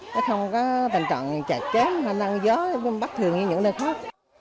nó không có tình trạng chạy chém năng gió bắt thường như những nơi khác